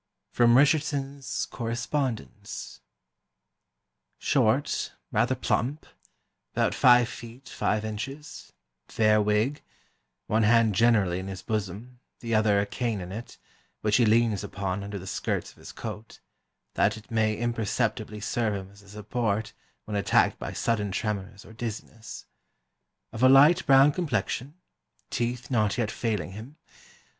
[Sidenote: Richardson's Correspondence.] "Short, rather plump, about five feet five inches, fair wig, one hand generally in his bosom, the other a cane in it, which he leans upon under the skirts of his coat, that it may imperceptibly serve him as a support when attacked by sudden tremors or dizziness; of a light brown complexion; teeth not yet failing him.